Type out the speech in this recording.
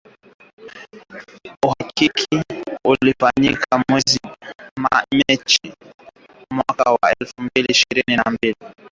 Uhakiki ulifanyika mwezi Machi mwaka wa elfu mbili ishirini na mbili.